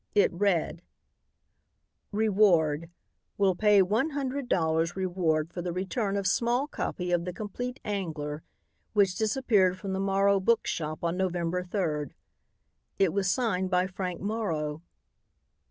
It read: "REWARD "Will pay $100.00 reward for the return of small copy of The Compleat Angler which disappeared from the Morrow Book Shop on November 3." It was signed by Frank Morrow.